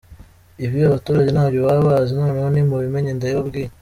Ibi abaturage ntabyo baba bazi noneho nimubimenye ndabibabwiye.